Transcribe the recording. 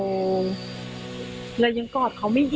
มันเป็นอาหารของพระราชา